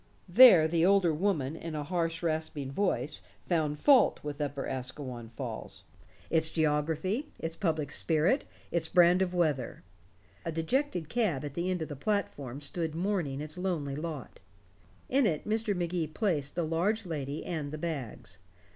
There the older woman, in a harsh rasping voice, found fault with Upper Asquewan Falls, its geography, its public spirit, its brand of weather. A dejected cab at the end of the platform stood mourning its lonely lot. In it Mr. Magee placed the large lady and the bags.